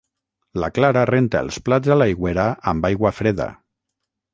La Clara renta els plats a l'aigüera amb aigua freda.